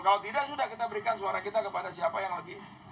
kalau tidak sudah kita berikan suara kita kepada siapa yang lebih